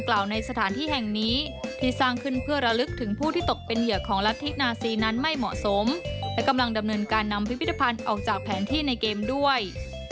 และกำลังดำเนินการนำพิพิธภัณฑ์ออกจากแผนที่ในเกมด้วย